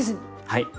はい。